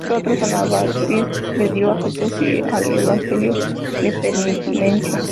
Al igual que otros anabaptistas, le dio a Jesús y al Evangelio la preeminencia.